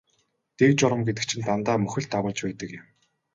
Дэг журам гэдэг чинь дандаа мөхөл дагуулж байдаг юм.